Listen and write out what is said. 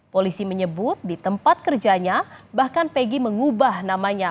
polisi menyebut di tempat kerjanya bahkan peggy mengubah namanya